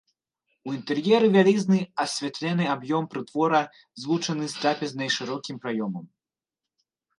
У інтэр'еры вялізны асветлены аб'ём прытвора злучаны з трапезнай шырокім праёмам.